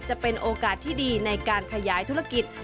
จะเป็นโอกาสที่ดีในการขยายธุรกิจ